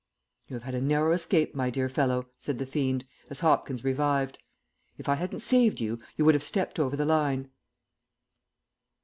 "You have had a narrow escape, my dear fellow," said the fiend, as Hopkins revived. "If I hadn't saved you, you would have stepped over the line."